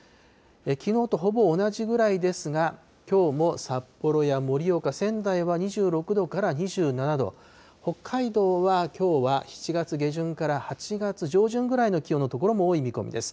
きのうとほぼ同じぐらいですが、きょうも札幌や盛岡、仙台は２６度から２７度、北海道はきょうは７月下旬から８月上旬ぐらいの気温の所も多い見込みです。